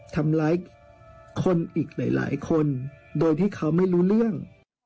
ทำร้ายคนอีกหลายคนโดยที่เขาไม่รู้เรื่อง